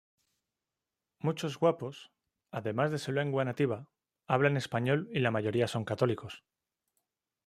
Muchos grupos, además de su lengua nativa, hablan español y la mayoría son católicos.